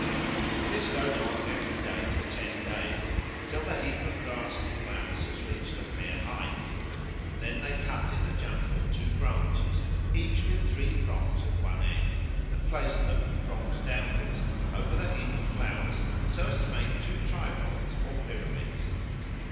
This goes on every day for ten days, till the heap of grass and flowers has reached a fair height. Then they cut in the jungle two branches, each with three prongs at one end, and place them, prongs downwards, over the heap of flowers, so as to make two tripods or pyramids.